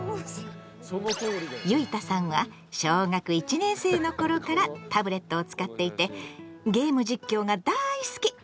ゆいたさんは小学１年生のころからタブレットを使っていてゲーム実況がだい好き。